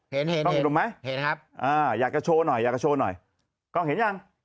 เห็นเห็นไหมเห็นครับอ่าอยากจะโชว์หน่อยอยากจะโชว์หน่อยกล้องเห็นยัง